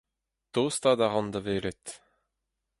Tostaat a ran da welet.